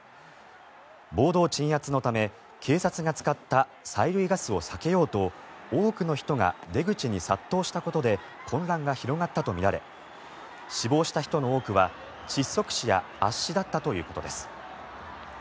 暴動鎮圧のため警察が使った催涙ガスを避けようと多くの人が出口に殺到したことで混乱が広がったとみられ死亡した人の多くは窒息死や圧死だったということです。